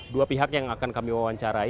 dua pihak yang akan kami wawancarai